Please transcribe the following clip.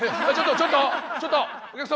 ちょっとちょっとお客様！